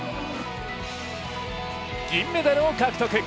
銀メダルを獲得。